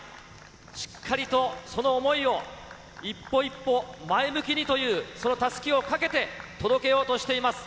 しっかりとその想いを一歩一歩前向きにという、そのたすきをかけて、届けようとしています。